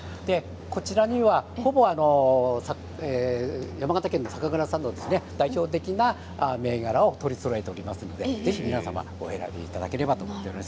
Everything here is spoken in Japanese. こちらには、ほぼ山形県の酒蔵さんの代表的な銘柄を取りそろえておりますのでぜひ皆様お選びいただければと思います。